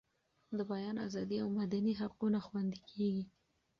د بیان ازادي او مدني حقونه خوندي کیږي.